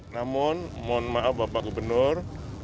namun mohon maaf bapak gubernur